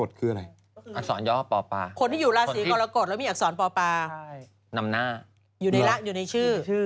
อยู่ในรักอยู่ในชื่อ